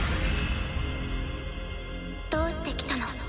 どうして来たの？